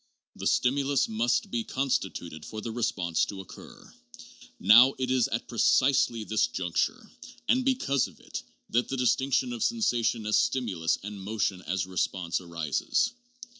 The stimulus must be constituted for the response to occur. Now it is at precisely this juncture and because of it that the dis tinction of sensation as stimulus and motion as response arises.